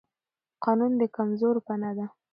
قانون د کمزورو پناه ده